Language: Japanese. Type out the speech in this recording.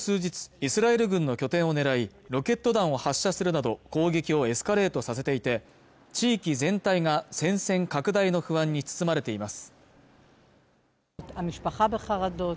イスラエル軍の拠点を狙いロケット弾を発射するなど攻撃をエスカレートさせていて地域全体が戦線拡大の不安に包まれています